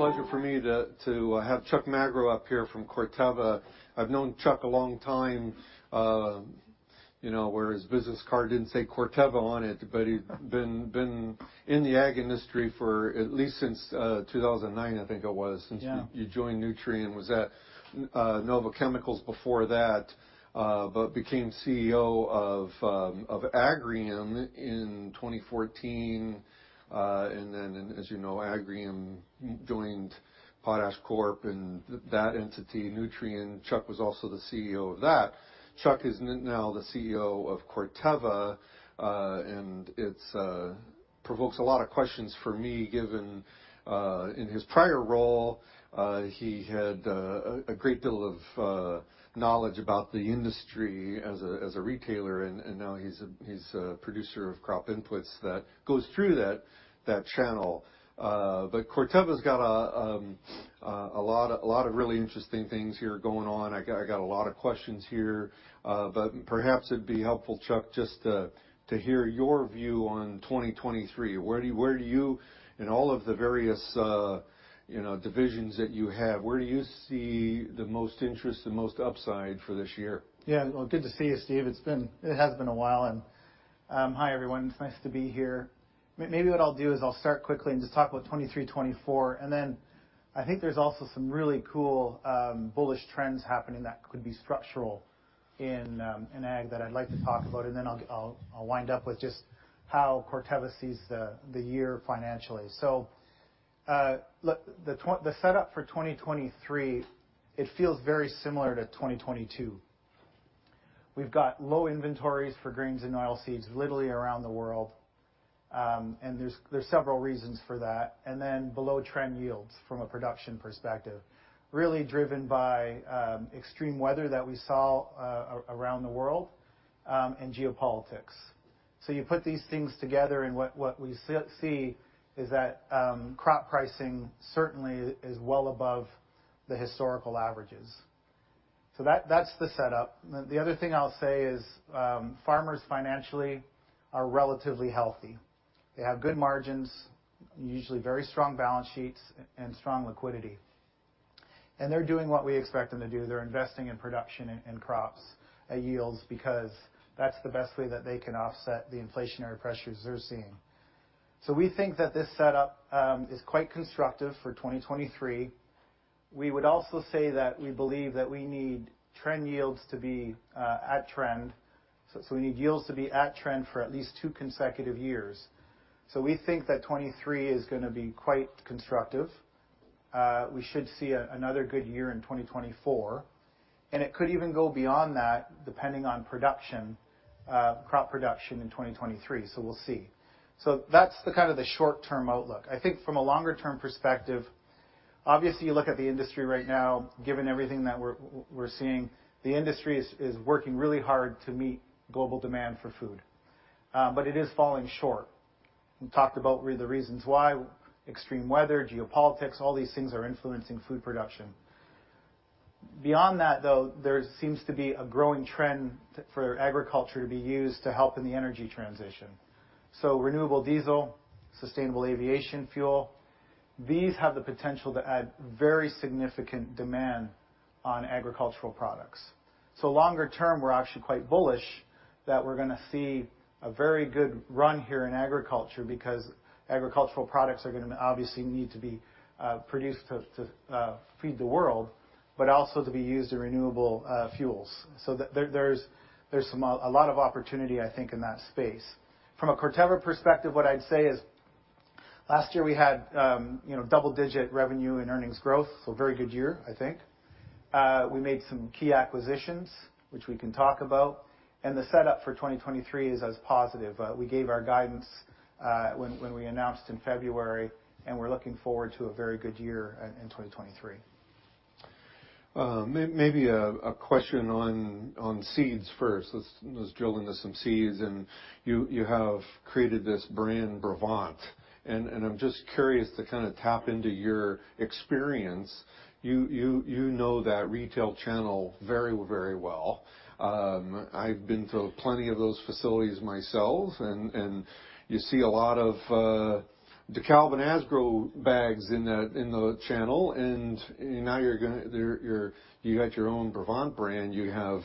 It's a pleasure for me to have Chuck Magro up here from Corteva. I've known Chuck a long time, you know, where his business card didn't say Corteva on it, but he'd been in the ag industry for at least since 2009, I think it was. Yeah Since you joined Nutrien. Was at NOVA Chemicals before that, became CEO of Agrium in 2014. As you know, Agrium joined PotashCorp and that entity, Nutrien. Chuck was also the CEO of that. Chuck is now the CEO of Corteva, and it provokes a lot of questions for me given in his prior role, he had a great deal of knowledge about the industry as a retailer, and now he's a producer of crop inputs that goes through that channel. Corteva's got a lot of really interesting things here going on. I got a lot of questions here. Perhaps it'd be helpful, Chuck, just to hear your view on 2023. Where do you in all of the various, you know, divisions that you have, where do you see the most interest and most upside for this year? Well, good to see you, Steve. It has been a while. Hi, everyone. It's nice to be here. Maybe what I'll do is I'll start quickly and just talk about 2023, 2024. I think there's also some really cool bullish trends happening that could be structural, in ag that I'd like to talk about. I'll wind up with just how Corteva sees the year financially. Look, the setup for 2023, it feels very similar to 2022. We've got low inventories for grains and oilseeds literally around the world, and there's several reasons for that. Below trend yields from a production perspective, really driven by extreme weather that we saw around the world, and geopolitics. You put these things together and what we see, is that crop pricing certainly is well above the historical averages. That's the setup. The other thing I'll say is farmers financially are relatively healthy. They have good margins, usually very strong balance sheets and strong liquidity. They're doing what we expect them to do they're investing in production and crops, yields, because that's the best way that they can offset the inflationary pressures they're seeing. We think that this setup is quite constructive for 2023. We would also say that we believe that we need trend yields to be at trend. We need yields to be at trend for at least two consecutive years. We think that 2023 is gonna be quite constructive. We should see another good year in 2024, and it could even go beyond that depending on production, crop production in 2023. We'll see. That's the kind of the short-term outlook. I think from a longer-term perspective, obviously, you look at the industry right now, given everything that we're seeing, the industry is working really hard to meet global demand for food, but it is falling short. We talked about the reasons why. Extreme weather, geopolitics, all these things are influencing food production. Beyond that, though, there seems to be a growing trend for agriculture to be used to help in the energy transition. Renewable diesel, sustainable aviation fuel, these have the potential to add, very significant demand on agricultural products. Longer term, we're actually quite bullish that we're gonna see, a very good run here in agriculture because agricultural products are gonna obviously need to be produced to feed the world, but also to be used in renewable fuels. There's a lot of opportunity, I think, in that space. From a Corteva perspective, what I'd say is last year we had, you know, double-digit revenue and earnings growth, so a very good year, I think. We made some key acquisitions, which we can talk about, and the setup for 2023 is as positive. We gave our guidance when we announced in February, and we're looking forward to a very good year in 2023. Maybe a question on seeds first. Let's drill into some seeds. You have created this brand, Brevant, and I'm just curious to kinda tap into your experience. You know that retail channel very, very well. I've been to plenty of those facilities myself and you see a lot of DEKALB and Asgrow bags in the channel and now you got your own Brevant brand. You have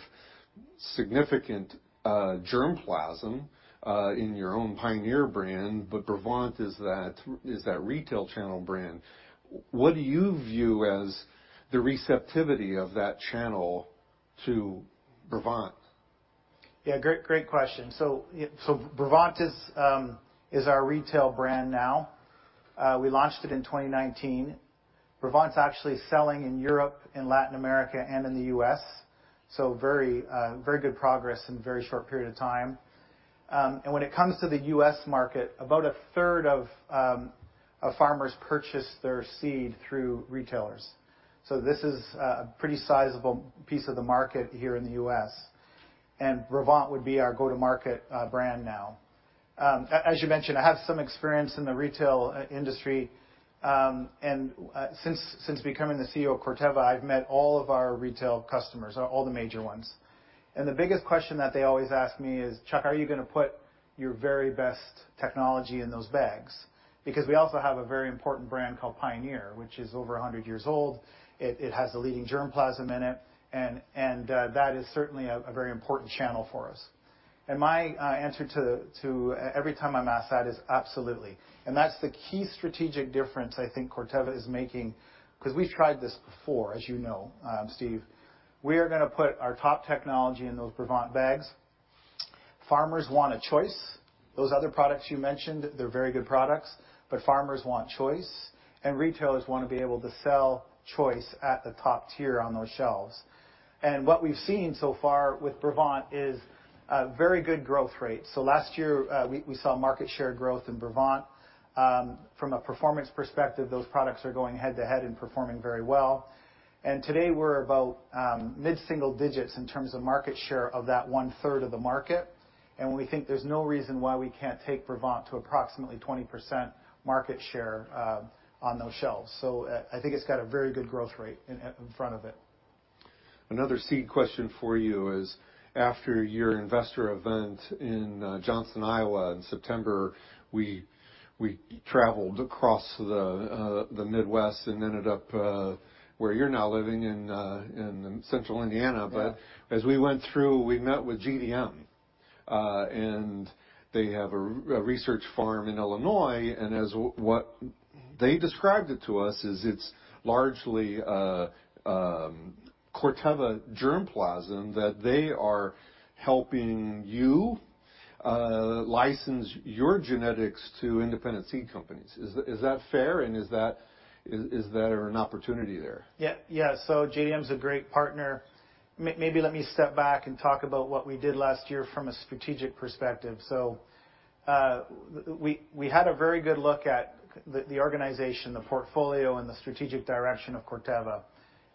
significant germplasm in your own Pioneer brand, but Brevant is that retail channel brand. What do you view as the receptivity of that channel to Brevant? Yeah. Great question. Brevant is our retail brand now. We launched it in 2019. Brevant's actually selling in Europe and Latin America and in the U.S., very good progress in a very short period of time. When it comes to the U.S. market, about 1/3 of, farmers purchase their seed through retailers. This is a pretty sizable piece of the market here in the U.S., and Brevant would be our go-to-market brand now. As you mentioned, I have some experience in the retail industry, since becoming the CEO of Corteva, I've met all of our retail customers, all the major ones. The biggest question that they always ask me is, "Chuck, are you gonna put your very best technology in those bags because we also have a very important brand called Pioneer, which is over 100 years old." It has the leading germplasm in it and that is certainly a very important channel for us. My answer to every time I'm asked that is absolutely. That's the key strategic difference I think Corteva is making 'cause we've tried this before as you know, Steve. We are gonna put our top technology in those Brevant bags. Farmers want a choice. Those other products you mentioned, they're very good products, but farmers want choice and retailers wanna be able to sell choice at the top tier on those shelves. What we've seen so far with Brevant is a very good growth rate. Last year, we saw market share growth in Brevant. From a performance perspective, those products are going head to head and performing very well. Today we're about mid-single digits in terms of market share of that 1/3 of the market, and we think there's no reason why we can't take Brevant to approximately 20% market share on those shelves. I think it's got a very good growth rate in front of it. Another seed question for you is after your investor event in Johnston, Iowa in September, we traveled across the Midwest, and ended up where you're now living in Central Indiana. Yeah. As we went through, we met with GDM, and they have a research farm in Illinois, and as what they described it to us is it's largely Corteva germplasm that they are helping you license your genetics to independent seed companies. Is that fair and is there an opportunity there? Yeah. Yeah. GDM's a great partner. Maybe let me step back and talk about what we did last year from a strategic perspective. So, we had a very good look at the organization, the portfolio and the strategic direction of Corteva.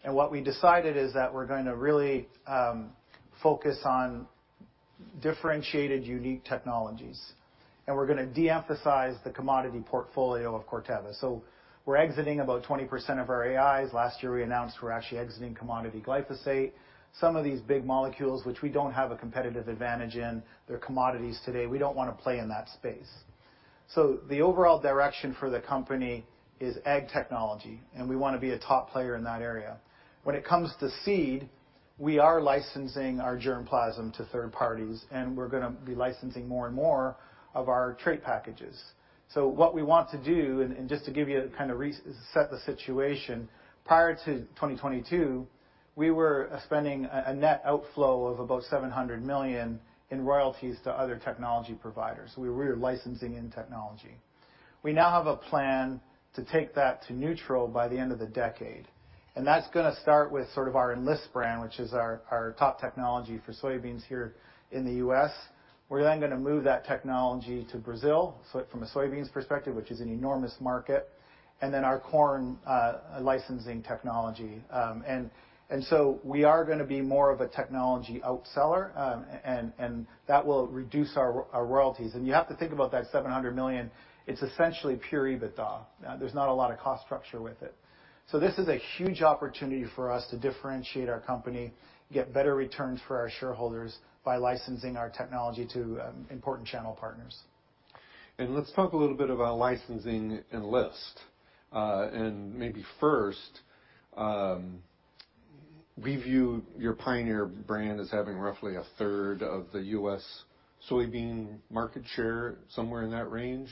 What we decided is that we're going to really, focus on differentiated unique technologies and we're gonna de-emphasize the commodity portfolio of Corteva. So, we're exiting about 20% of our AIs. Last year we announced we're actually exiting commodity glyphosate. Some of these big molecules which we don't have a competitive advantage in, they're commodities today. We don't wanna play in that space. The overall direction for the company is ag technology and we wanna be a top player in that area. When it comes to seed, we are licensing our germplasm to third parties and we're gonna be licensing more and more of our trait packages. So what we want to do and just to give you kind of set the situation, prior to 2022 we were spending a net outflow of about $700 million, in royalties to other technology providers. We were licensing in technology. We now have a plan to take that to neutral by the end of the decade, and that's gonna start with sort of our Enlist brand which is our top technology for soybeans here in the U.S. Gonna move that technology to Brazil so from a soybeans perspective which is an enormous market and then our corn licensing technology. We are gonna be more of a technology outseller, and that will reduce our royalties. You have to think about that $700 million, it's essentially pure EBITDA. There's not a lot of cost structure with it. This is a huge opportunity for us to differentiate our company, get better returns for our shareholders by licensing our technology to important channel partners. Let's talk a little bit about licensing Enlist. Maybe first, we view your Pioneer brand as having roughly 1/3 of the U.S. soybean market share, somewhere in that range.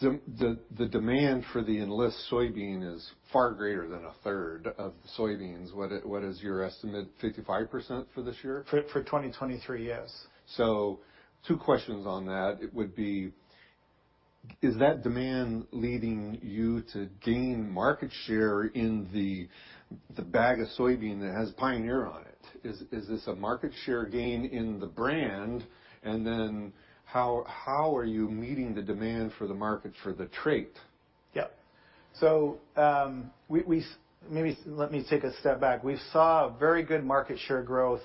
The demand for the Enlist soybean is far greater than 1/3 of soybeans. What is your estimate? 55% for this year? For 2023, yes. Two questions on that. It would be is that demand leading you to gain market share in the bag of soybean that has Pioneer on it? Is this a market share gain in the brand? How are you meeting the demand for the market for the trait? Yeah. maybe let me take a step back. We saw very good market share growth,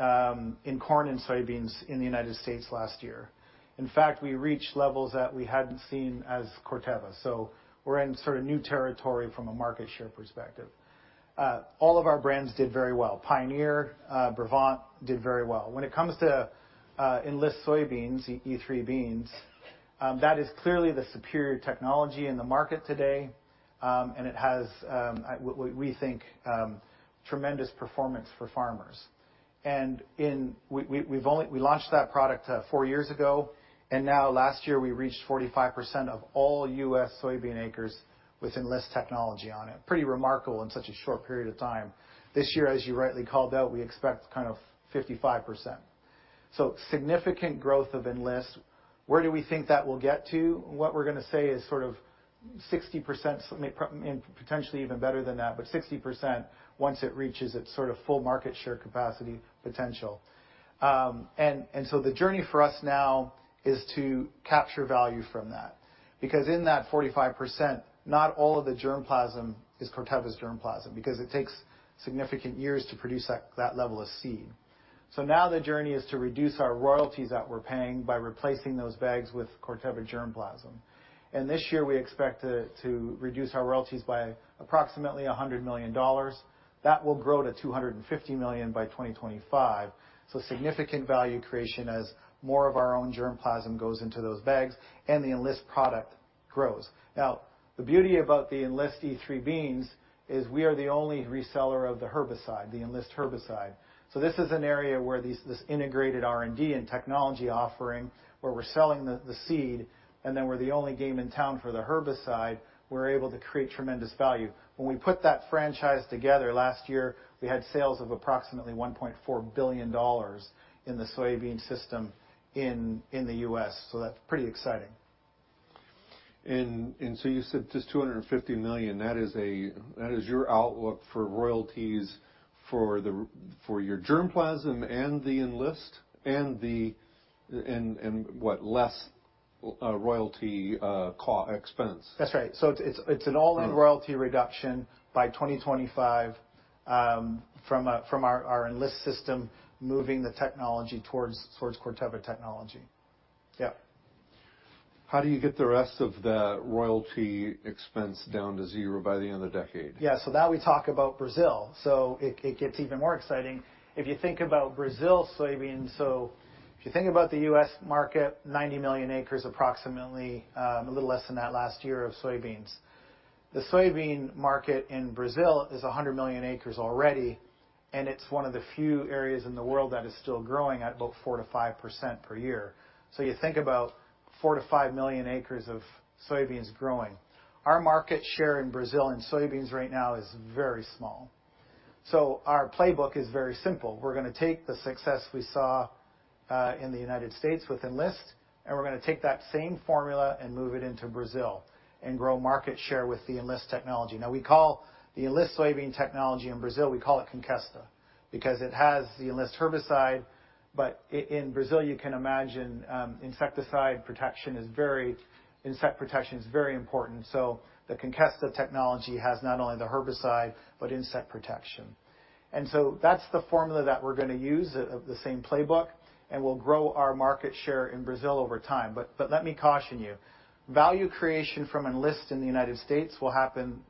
in corn and soybeans in the United States last year. In fact, we reached levels that we hadn't seen as Corteva. We're in sort of new territory from a market share perspective. All of our brands did very well. Pioneer, Brevant did very well. When it comes to Enlist soybeans, E3 beans, that is clearly the superior technology in the market today, and it has we think tremendous performance for farmers. we've only we launched that product four years ago and now last year we reached 45% of all U.S. soybean acres with Enlist technology on it. Pretty remarkable in such a short period of time. This year as you rightly called out we expect kind of 55%. Significant growth of Enlist. Where do we think that will get to? What we're gonna say is sort of 60%, I mean, potentially even better than that, but 60% once it reaches its sort of full market share capacity potential. The journey for us now is to capture value from that, because in that 45% not all of the germplasm is Corteva's germplasm because it takes significant years to produce that level of seed. The journey is to reduce our royalties that we're paying by replacing those bags with Corteva germplasm, and this year we expect to reduce our royalties by approximately $100 million. That will grow to $250 million by 2025. Significant value creation as more of our own germplasm goes into those bags and the Enlist product grows. The beauty about the Enlist E3 beans is we are the only reseller of the herbicide, the Enlist herbicide. This is an area where this integrated R&D and technology offering, where we're selling the seed, and then we're the only game in town for the herbicide, we're able to create tremendous value. When we put that franchise together last year, we had sales of approximately $1.4 billion in the soybean system in the U.S. That's pretty exciting. You said just $250 million, that is your outlook for royalties for your germplasm and the Enlist and what, less royalty co-expense. That's right. It's an all-in royalty reduction by 2025 from our Enlist system moving the technology towards Corteva technology. Yep. How do you get the rest of the royalty expense down to zero by the end of the decade? Yeah. Now we talk about Brazil, it gets even more exciting. If you think about Brazil soybeans, if you think about the U.S. market, 90 million acres, approximately, a little less than that last year of soybeans. The soybean market in Brazil is 100 million acres already, and it's one of the few areas in the world that is still growing at about 4%-5% per year. You think about four to five million acres of soybeans growing. Our market share in Brazil and soybeans right now is very small. Our playbook is very simple. We're gonna take the success we saw in the United States with Enlist, and we're gonna take that same formula and move it into Brazil and grow market share with the Enlist technology. Now we call the Enlist soybean technology in Brazil, we call it Conkesta because it has the Enlist herbicide. In Brazil, you can imagine, insect protection is very important. The Conkesta technology has not only the herbicide but insect protection. That's the formula that we're gonna use, the same playbook, and we'll grow our market share in Brazil over time. Let me caution you. Value creation from Enlist in the United States will happen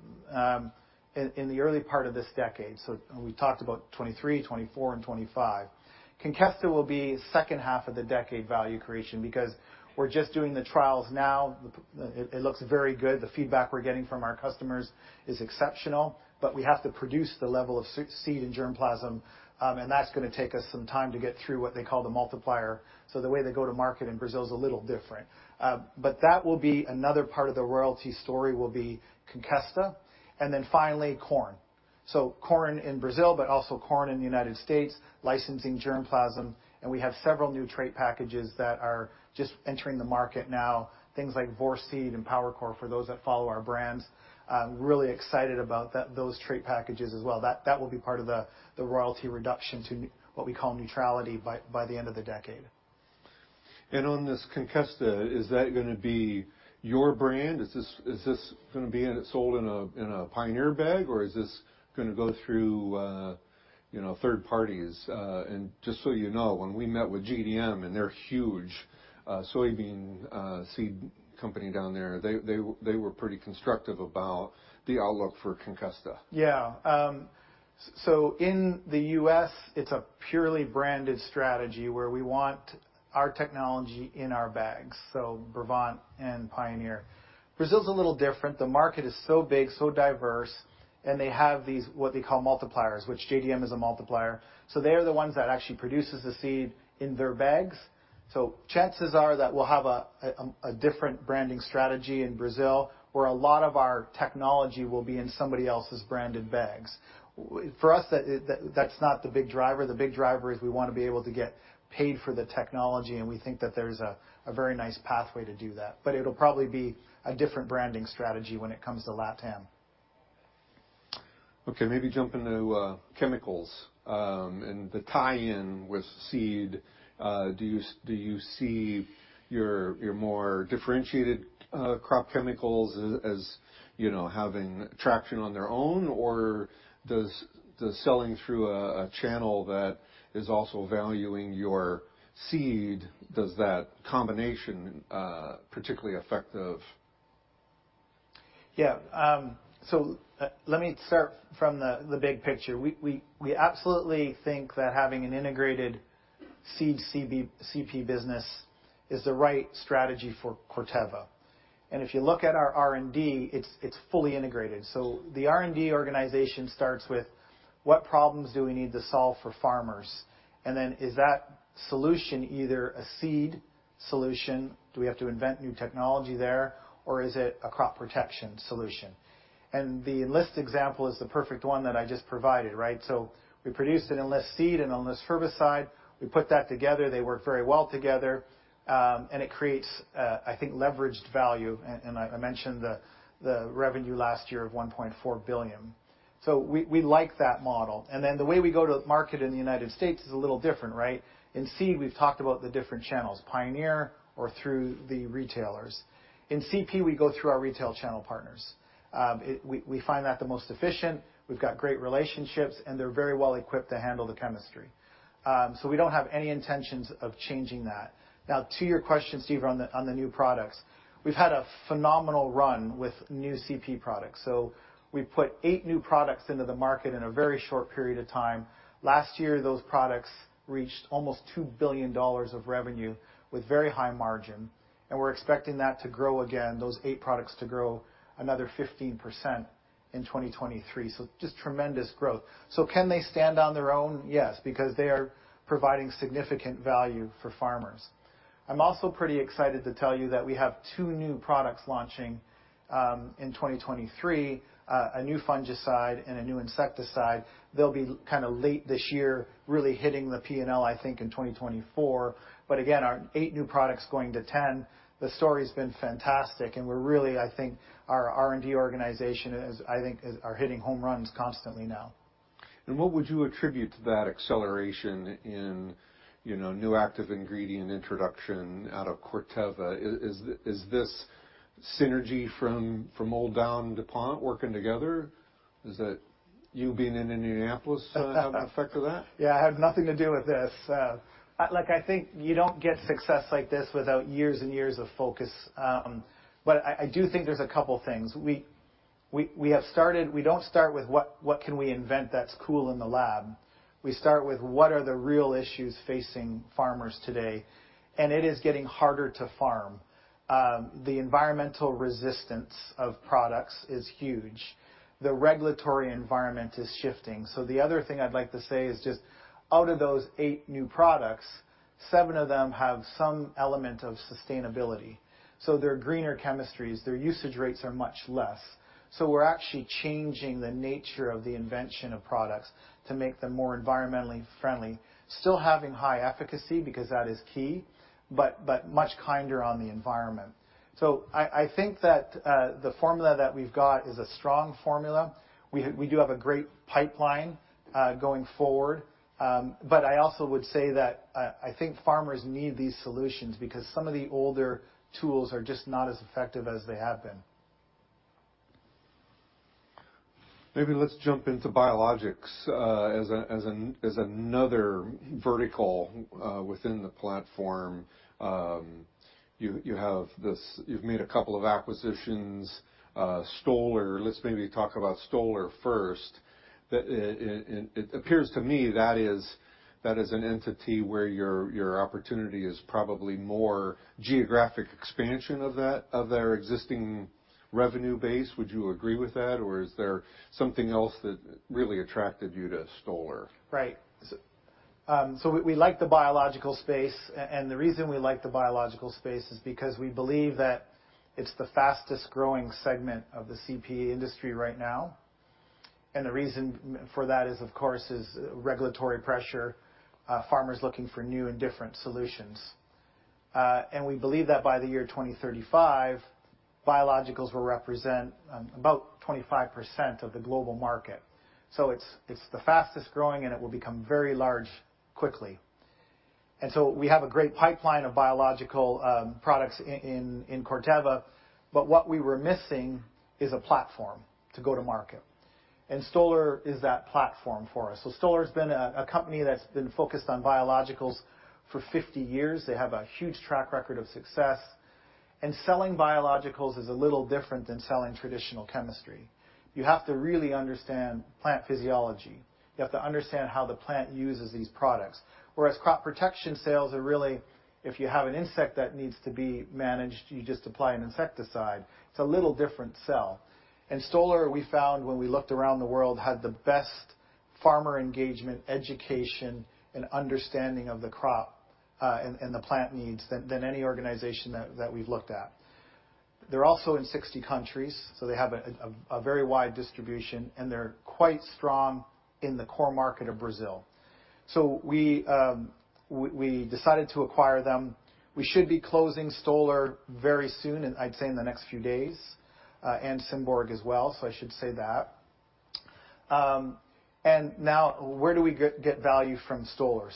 in the early part of this decade. We talked about 23, 24 and 25. Conkesta will be second half of the decade value creation because we're just doing the trials now. It looks very good. The feedback we're getting from our customers is exceptional, but we have to produce the level of seed and germplasm, and that's gonna take us some time to get through what they call the multiplier. The way they go to market in Brazil is a little different. But that will be another part of the royalty story will be Conkesta. Finally, corn. Corn in Brazil, but also corn in the United States, licensing germplasm, and we have several new trait packages that are just entering the market now, things like Vorceed and PowerCore, for those that follow our brands. Really excited about those trait packages as well. That will be part of the royalty reduction to what we call neutrality by the end of the decade. On this Conkesta, is that gonna be your brand? Is this gonna be sold in a, in a Pioneer bag, or is this gonna go through, you know, third parties? Just so you know, when we met with GDM, and they're huge, soybean, seed company down there, they were pretty constructive about the outlook for Conkesta. Yeah. In the U.S., it's a purely branded strategy where we want our technology in our bags, Brevant and Pioneer. Brazil's a little different. The market is so big, so diverse, and they have these, what they call multipliers, which GDM is a multiplier. They are the ones that actually produces the seed in their bags. Chances are that we'll have a different branding strategy in Brazil, where a lot of our technology will be in somebody else's branded bags. For us, that's not the big driver. The big driver is we wanna be able to get paid for the technology, and we think that there's a very nice pathway to do that. It'll probably be a different branding strategy when it comes to LatAm. Okay, maybe jump into chemicals and the tie-in with seed. Do you see your more differentiated crop chemicals as, you know, having traction on their own, or does the selling through a channel that is also valuing your seed, does that combination particularly effective? Let me start from the big picture. We absolutely think that having an integrated seed CP business, is the right strategy for Corteva. If you look at our R&D, it's fully integrated. The R&D organization starts with what problems do we need to solve for farmers? Is that solution either a seed solution, do we have to invent new technology there, or is it a crop protection solution? The Enlist example is the perfect one that I just provided, right? We produced an Enlist seed, an Enlist herbicide. We put that together. They work very well together, it creates, I think, leveraged value. I mentioned the revenue last year of $1.4 billion. We like that model. The way we go to market in the United States is a little different, right? In seed, we've talked about the different channels, Pioneer or through the retailers. In CP, we go through our retail channel partners. We find that the most efficient, we've got great relationships, and they're very well equipped to handle the chemistry. We don't have any intentions of changing that. Now, to your question, Steve, on the new products, we've had a phenomenal run with new CP products. We put eight new products into the market in a very short period of time. Last year, those products reached almost $2 billion of revenue with very high margin, and we're expecting that to grow again, those eight products to grow another 15% in 2023. Just tremendous growth. Can they stand on their own? Yes, because they are providing significant value for farmers. I'm also pretty excited to tell you that we have two new products launching, in 2023, a new fungicide and a new insecticide. They'll be kind of late this year, really hitting the P&L, I think, in 2024. Again, our eight new products going to 10, the story's been fantastic and we're really, I think our R&D organization is hitting home runs constantly now. What would you attribute to that acceleration in, you know, new active ingredient introduction out of Corteva? Is this synergy from old Dow and DuPont working together? Is it you being in Indianapolis having an effect of that? Yeah, I have nothing to do with this. like, I think you don't get success like this without years and years of focus. I do think there's a couple things. We don't start with what can we invent that's cool in the lab. We start with what are the real issues facing farmers today. It is getting harder to farm. The environmental resistance of products is huge. The regulatory environment is shifting. The other thing I'd like to say is just out of those eight new products, seven of them have some element of sustainability. They're greener chemistries, their usage rates are much less. We're actually changing the nature of the invention of products to make them more environmentally friendly, still having high efficacy, because that is key, but much kinder on the environment. I think that the formula that we've got is a strong formula. We do have a great pipeline going forward. I also would say that I think farmers need these solutions because some of the older tools are just not as effective as they have been. Maybe let's jump into biologicals as another vertical within the platform. You've made a couple of acquisitions, Stoller. Let's maybe talk about Stoller first. That it appears to me that is an entity where your opportunity is probably more geographic expansion of that, of their existing revenue base. Would you agree with that? Or is there something else that really attracted you to Stoller? Right. We, we like the biological space, and the reason we like the biological space is because we believe that, it's the fastest-growing segment of the CP industry right now. The reason for that is, of course, is regulatory pressure, farmers looking for new and different solutions. We believe that by the year 2035, biologicals will represent about 25% of the global market. It's, it's the fastest growing, and it will become very large quickly. We have a great pipeline of biological products in Corteva, but what we were missing is a platform to go to market. Stoller is that platform for us. Stoller has been a company that's been focused on biologicals for 50 years. They have a huge track record of success. Selling biologicals is a little different than selling traditional chemistry. You have to really understand plant physiology. You have to understand how the plant uses these products. Whereas crop protection sales are really, if you have an insect that needs to be managed, you just apply an insecticide. It's a little different sell. Stoller, we found when we looked around the world, had the best farmer engagement, education, and understanding of the crop, and the plant needs than any organization that we've looked at. They're also in 60 countries, so they have a very wide distribution, and they're quite strong in the core market of Brazil. We decided to acquire them. We should be closing Stoller very soon, and I'd say in the next few days, and Symborg as well. I should say that. And now where do we get value from Stoller?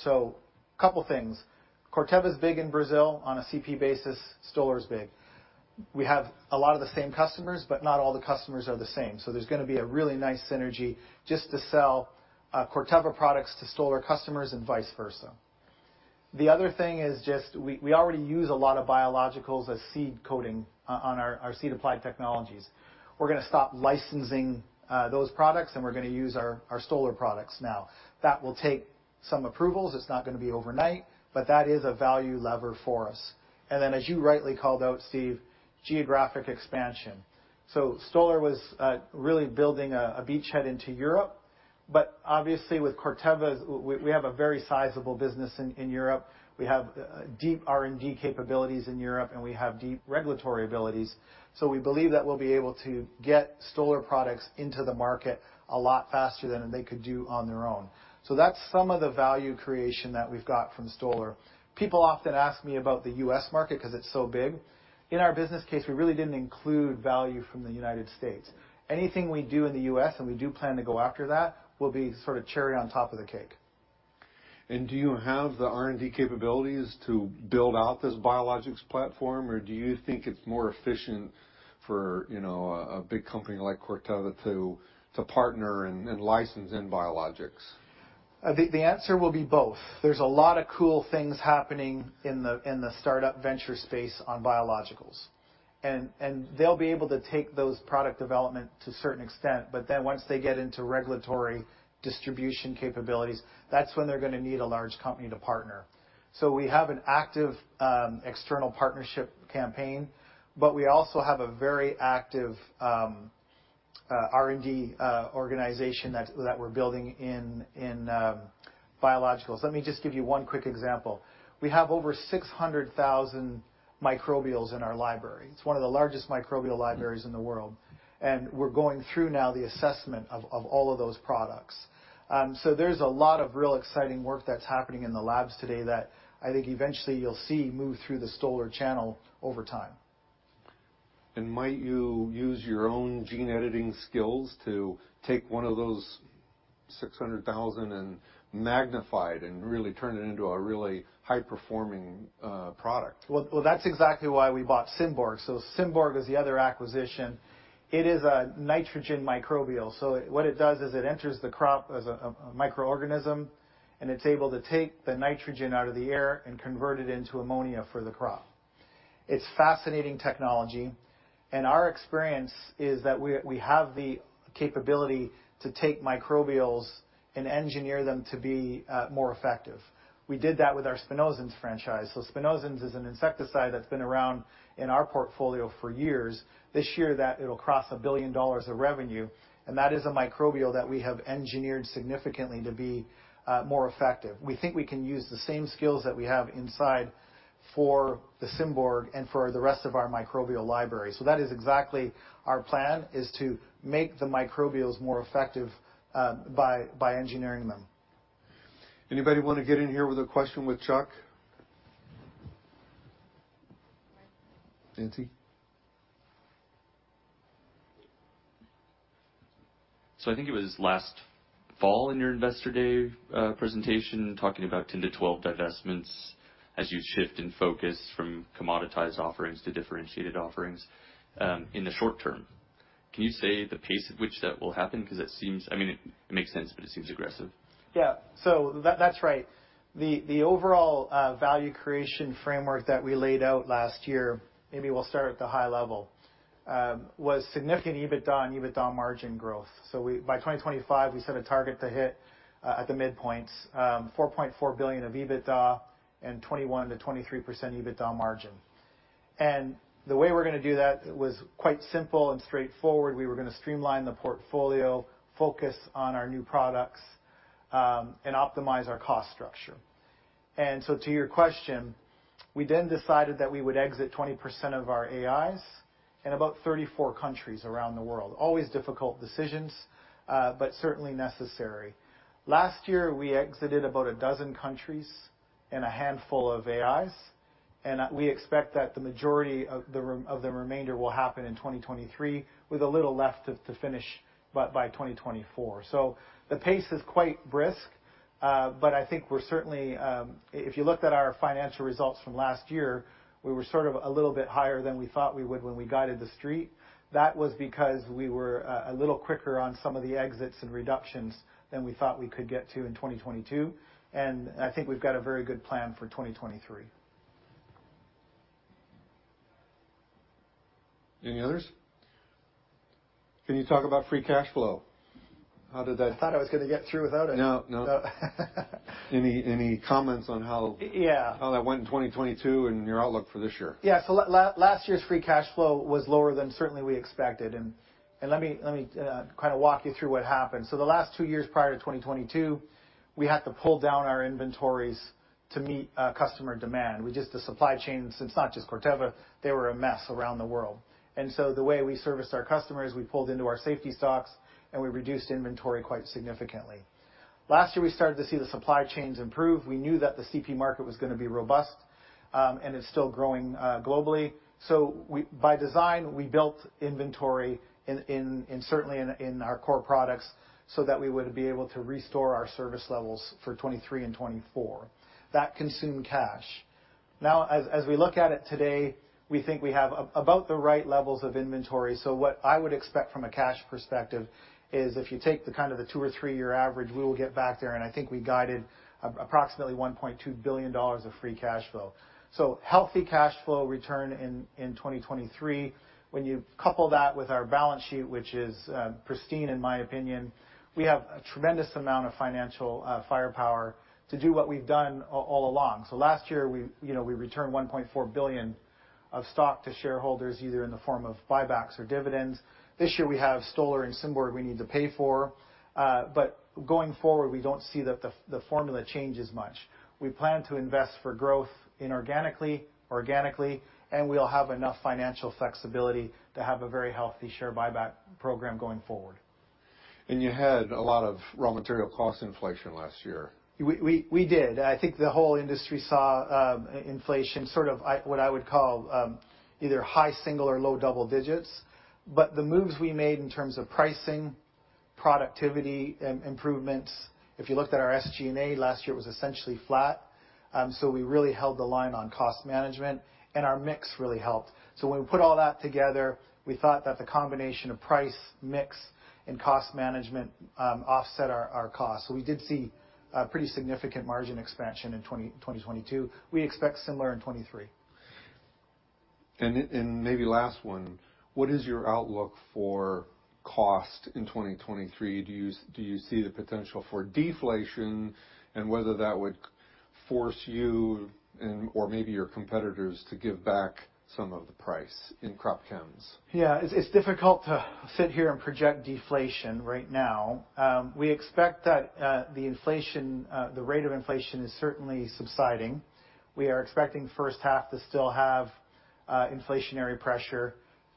Couple things. Corteva's big in Brazil on a CP basis, Stoller is big. We have a lot of the same customers, but not all the customers are the same. There's gonna be a really nice synergy just to sell, Corteva products to Stoller customers and vice versa. The other thing is just we already use a lot of biologicals as seed coating on our seed applied technologies. We're gonna stop licensing those products, and we're gonna use our Stoller products now. That will take some approvals. It's not gonna be overnight, but that is a value lever for us. As you rightly called out, Steve, geographic expansion. Stoller was really building a beachhead into Europe. Obviously, with Corteva's, we have a very sizable business in Europe. We have deep R&D capabilities in Europe, we have deep regulatory abilities. We believe that we'll be able to get Stoller products into the market a lot faster than they could do on their own. That's some of the value creation that we've got from Stoller. People often ask me about the U.S. market because it's so big. In our business case, we really didn't include value from the United States. Anything we do in the U.S., we do plan to go after that, will be sort of cherry on top of the cake. Do you have the R&D capabilities to build out this biologics platform, or do you think it's more efficient for, you know, a big company like Corteva to partner and license in biologics? I think the answer will be both. There's a lot of cool things happening in the startup venture space on biologicals. They'll be able to take those product development to a certain extent, once they get into regulatory distribution capabilities, that's when they're gonna need a large company to partner. We have an active external partnership campaign, but we also have a very active R&D organization that we're building in biologicals. Let me just give you one quick example. We have over 600,000 microbials in our library. It's one of the largest microbial libraries in the world, we're going through now the assessment of all of those products. There's a lot of real exciting work that's happening in the labs today that I think eventually you'll see move through the Stoller channel over time. Might you use your own gene editing skills to take one of those 600,000 and magnify it and really turn it into a really high-performing product? Well, that's exactly why we bought Symborg. Symborg is the other acquisition. It is a nitrogen microbial. What it does is it enters the crop as a microorganism, and it's able to take the nitrogen out of the air and convert it into ammonia for the crop. It's fascinating technology, and our experience is that we have the capability to take microbials, and engineer them to be more effective. We did that with our spinosyns franchise. spinosyns is an insecticide that's been around in our portfolio for years. This year, it'll cross $1 billion of revenue, and that is a microbial that we have engineered significantly to be more effective. We think we can use the same skills that we have inside for the Symborg and for the rest of our microbial library. That is exactly our plan, is to make the microbials more effective, by engineering them. Anybody wanna get in here with a question with Chuck? Nancy? I think it was last fall in your Investor Day presentation, talking about 10-12 divestments as you shift in focus from commoditized offerings to differentiated offerings in the short term. Can you say the pace at which that will happen? 'Cause I mean, it makes sense, but it seems aggressive. That, that's right. The overall value creation framework that we laid out last year, maybe we'll start at the high level, was significant EBITDA and EBITDA margin growth. By 2025, we set a target to hit at the midpoints, $4.4 billion of EBITDA and 21%-23% EBITDA margin. The way we're gonna do that was quite simple and straightforward we were gonna streamline the portfolio, focus on our new products, and optimize our cost structure. To your question, we then decided that we would exit 20% of our AIs in about 34 countries around the world. Always difficult decisions, but certainly necessary. Last year, we exited about a dozen countries and a handful of AIs, and we expect that the majority of the remainder will happen in 2023, with a little left to finish by 2024. The pace is quite brisk, but I think we're certainly. If you looked at our financial results from last year, we were sort of a little bit higher than we thought we would when we guided the street. That was because we were a little quicker on some of the exits and reductions than we thought we could get to in 2022, and I think we've got a very good plan for 2023. Any others? Can you talk about free cash flow? How did that- I thought I was gonna get through without it. No. Any comments on how. Yeah How that went in 2022 and your outlook for this year? Yeah. Last year's free cash flow was lower than certainly we expected, let me kind of walk you through what happened. The last two years prior to 2022, we had to pull down our inventories to meet customer demand. The supply chains, it's not just Corteva, they were a mess around the world. The way we serviced our customers, we pulled into our safety stocks, and we reduced inventory quite significantly. Last year, we started to see the supply chains improve. We knew that the CP market was gonna be robust, and it's still growing globally. By design, we built inventory in certainly in our core products, so that we would be able to restore our service levels for 2023 and 2024. That consumed cash. As we look at it today, we think we have about the right levels of inventory. What I would expect from a cash perspective, is if you take the kind of the two or three-year average, we will get back there, and I think we guided approximately $1.2 billion of free cash flow. Healthy cash flow return in 2023. When you couple that with our balance sheet, which is pristine in my opinion, we have a tremendous amount of financial firepower, to do what we've done all along. Last year, we, you know, we returned $1.4 billion of stock to shareholders, either in the form of buybacks or dividends. This year, we have Stoller and Symborg we need to pay for, but going forward, we don't see that the formula changes much. We plan to invest for growth inorganically, organically, and we'll have enough financial flexibility to have a very healthy share buyback program going forward. You had a lot of raw material cost inflation last year. We did. I think the whole industry saw inflation sort of what I would call, either high single or low double digits. The moves we made in terms of pricing, productivity, improvements, if you looked at our SG&A, last year was essentially flat. We really held the line on cost management, and our mix really helped. When we put all that together, we thought that the combination of price, mix, and cost management, offset our costs. We did see a pretty significant margin expansion in 2022. We expect similar in 2023. Maybe last one, what is your outlook for cost in 2023? Do you see the potential for deflation, whether that would force you and/or maybe your competitors to give back some of the price in crop chems? Yeah. It's, it's difficult to sit here and project deflation right now. We expect that the inflation, the rate of inflation is certainly subsiding. We are expecting the first half to still have inflationary pressure.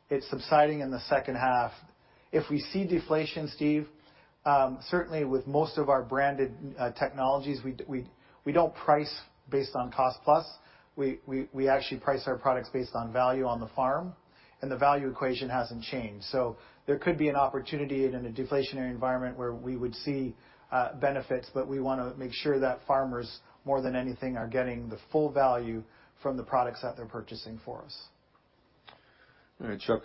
It's subsiding in the second half. If we see deflation, Steve, certainly with most of our branded technologies, we don't price based on cost plus. We actually price our products based on value on the farm, and the value equation hasn't changed. There could be an opportunity in a deflationary environment where we would see benefits, but we wanna make sure that farmers, more than anything, are getting the full value from the products that they're purchasing from us. All right, Chuck,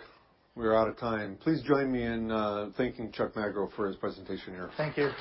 we are out of time. Please join me in thanking Chuck Magro for his presentation here. Thank you.